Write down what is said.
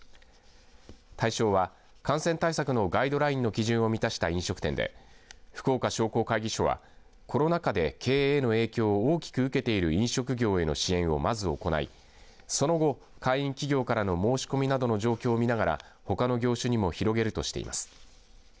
対象は感染対策のガイドラインの基準を満たした飲食店で福岡商工会議所はコロナ禍で経営への影響を大きく受けている飲食業への支援をまず行いその後、会員企業からの申し込みなどの状況をみながらほかの業種にも広げるとしています。